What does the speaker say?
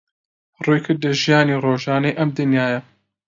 ڕوویکردە ژیانی ڕۆژانەی ئەم دنیایە